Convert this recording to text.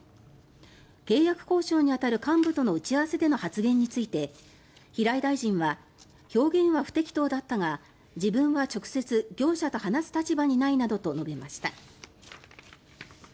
契約交渉に当たる幹部との打ち合わせでの発言について平井大臣は表現は不適当だったが自分は直接業者と話す立場にないなどと述べました。